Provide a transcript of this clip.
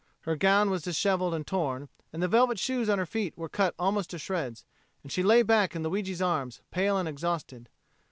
Her gown was dishevelled and torn, and the velvet shoes on her feet were cut almost to shreds, and she lay back in Luigi's arms, pale and exhausted.